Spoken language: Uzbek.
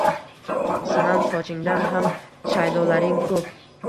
Sanam, sochingdan ham shaydolaring ko’p